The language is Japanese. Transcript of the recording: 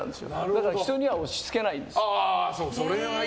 だから人には押し付けないです。